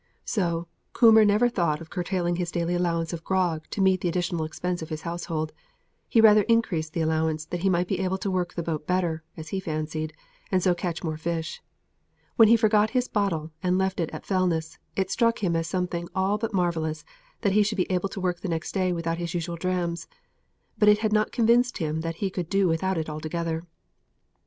So Coomber never thought of curtailing his daily allowance of grog to meet the additional expense of his household: he rather increased the allowance, that he might be able to work the boat better, as he fancied, and so catch more fish. When he forgot his bottle and left it at Fellness, it struck him as something all but marvellous that he should be able to work the next day without his usual drams, but it had not convinced him that he could do without it all together.